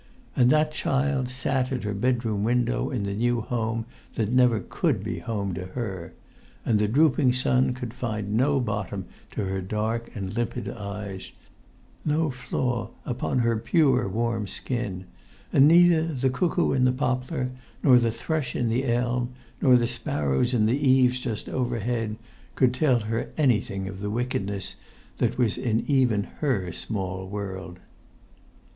And that child sat at her bedroom window in the new home that never could be home to her; and the drooping sun could find no bottom to her dark and limpid eyes, no flaw upon her pure warm skin; and neither the cuckoo in the poplar, nor the thrush in the elm, nor the sparrows in the eaves just overhead, could tell her anything of the wickedness that was in even her small world.